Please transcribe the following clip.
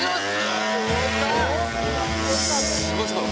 すごいすごい。